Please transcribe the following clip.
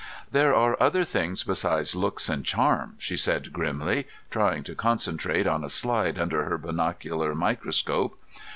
"There are other things besides looks and charm," she said, grimly trying to concentrate on a slide under her binocular microscope.